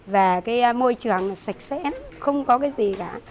và cái môi trường sạch sẽ không có cái gì cả